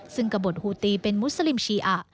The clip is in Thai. ซึ่งกระบดฮูตีเป็นมุสลิมชีอะ